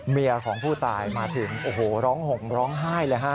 เมียของผู้ตายมาถึงโอ้โหร้องห่มร้องไห้เลยฮะ